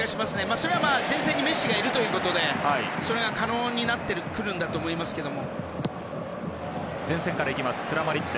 それは、前線にメッシがいるということでそれが可能になってくるんだと思いますけども。